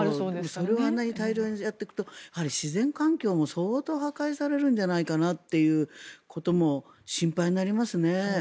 それをあんなに大量にやっていくと自然環境も相当破壊されるんじゃないかとも心配になりますね。